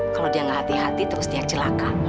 kalau dia gak hati hati terus dia celaka